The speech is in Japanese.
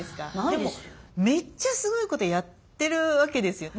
でもめっちゃすごいことやってるわけですよ。